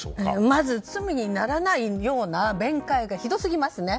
まず、罪にならないような弁解がひどすぎますね。